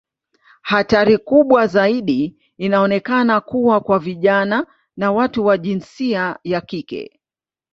Hatari kubwa zaidi inaonekana kuwa kwa vijana na watu wa jinsia ya kike.